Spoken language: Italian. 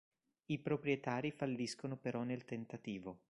I proprietari falliscono però nel tentativo.